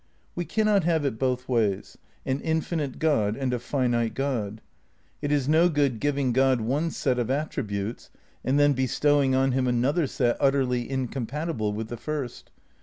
We cannot have it both ways, an infinite God and a finite God. It is no good giving God one set of at tributes and then bestowing on him another set utterly incompatible with the first.